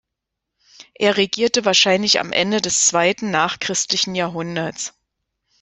Er regierte wahrscheinlich am Ende des zweiten nachchristlichen Jahrhunderts.